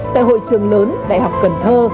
tại hội trường lớn đại học cần thơ